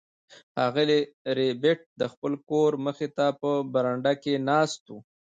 ښاغلی ربیټ د خپل کور مخې ته په برنډه کې ناست و